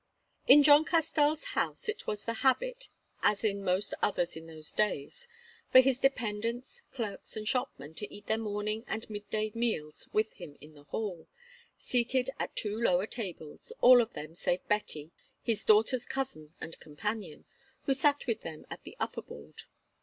In John Castell's house it was the habit, as in most others in those days, for his dependents, clerks, and shopmen to eat their morning and mid day meals with him in the hall, seated at two lower tables, all of them save Betty, his daughter's cousin and companion, who sat with them at the upper board.